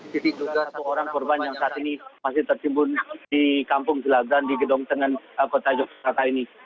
jadi juga satu orang korban yang saat ini masih tertimbun di kampung jelagran di gedung tengah kota yogyakarta ini